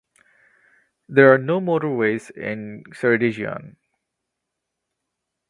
There are no motorways in Ceredigion.